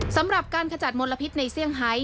สำหรับการขจัดมลพิษในเซี่ยงไฮท